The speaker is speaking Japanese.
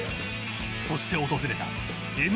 そして訪れたＭ‐